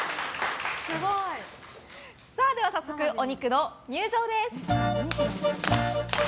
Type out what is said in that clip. では、お肉の入場です。